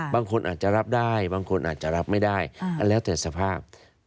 บางคนอาจจะรับได้บางคนอาจจะรับไม่ได้แล้วแต่สภาพ